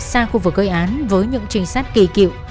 xa khu vực gây án với những trinh sát kỳ cựu